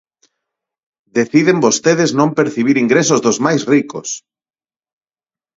¡Deciden vostedes non percibir ingresos dos máis ricos!